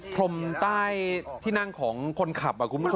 พรมใต้ที่นั่งของคนขับคุณผู้ชม